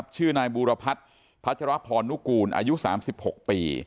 ชื่อนายบูรพัฒน์พัชรพรนุกูลอายุ๓๖ปี